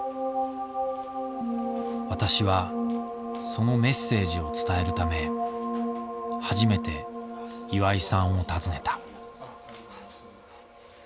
私はそのメッセージを伝えるため初めて岩井さんを訪ねた。